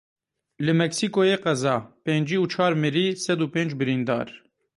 Li Meksîkoyê qeza pêncî û çar mirî, sed û pênc birîndar.